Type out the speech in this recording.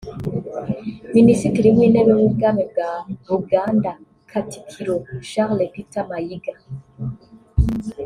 Minisitiri w’Intebe w’Ubwami bwa Buganda ( Katikkiro) Charles Peter Mayiga